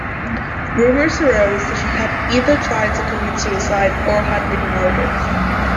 Rumors arose that she had either tried to commit suicide or had been murdered.